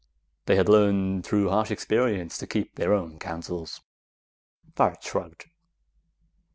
They had learned through harsh experience to keep their own counsels. Varret shrugged.